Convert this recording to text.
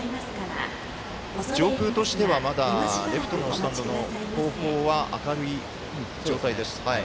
上空としてはレフトのスタンドの後方は明るい状態です。